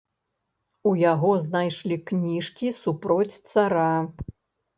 У яго знайшлі кніжкі супроць цара.